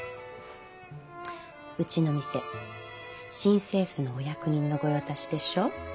うちの店新政府のお役人の御用達でしょ？